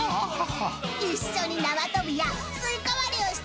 ［一緒に縄跳びやスイカ割りをして遊んだよね］